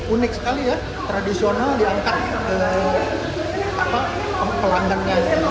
unik sekali ya tradisional diangkat ke langgangnya